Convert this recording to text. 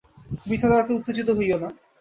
বৃথা তর্কে উত্তেজিত হইও না।